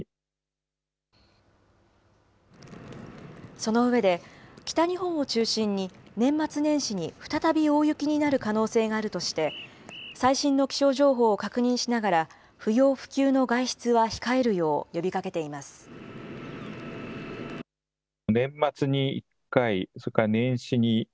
その上で、北日本を中心に、年末年始に再び大雪になる可能性があるとして、最新の気象情報を確認しながら、不要不急の外出は控えるよう呼びかけています。